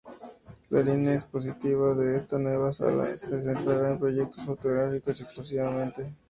La línea expositiva de esta nueva sala se centrará en proyectos fotográficos exclusivamente.